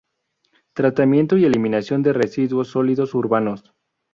Tratamiento y eliminación de residuos sólidos urbanos.